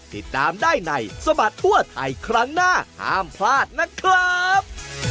ติดตามได้ในสบัดทั่วไทยครั้งหน้าห้ามพลาดนะครับ